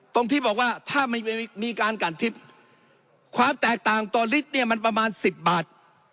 ตรงที่บอกว่าถ้าไม่มีการกันทิพย์ความแตกต่างต่อลิตรเนี่ยมันประมาณ๑๐บาท